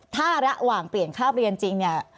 ถ้าระหว่างเปลี่ยนคาบเรียนจริงเนี่ย